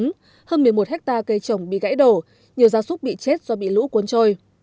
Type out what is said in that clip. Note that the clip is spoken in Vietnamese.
về sản xuất nông nghiệp hơn một mươi một hectare cây trồng bị gãy đổ nhiều gia súc bị chết do bị lũ cuốn trôi